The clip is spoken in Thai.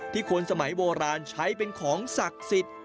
คนสมัยโบราณใช้เป็นของศักดิ์สิทธิ์